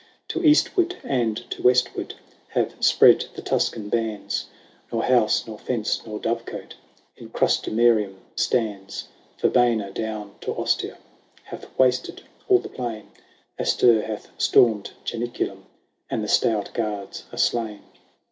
To eastward and to westward Have spread the Tuscan bands ; Nor house, nor fence, nor dovecote In Crustumerium stands. Verbenna down to Ostia Hath wasted all the plain ; Astur hath stormed Janiculum, And the stout guards are slain.